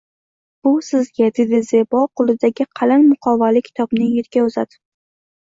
-Bu sizga! – dedi Zebo qo’lidagi qalin muqovali kitobni yigitga uzatib.